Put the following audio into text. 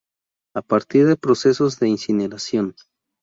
A partir de procesos de incineración.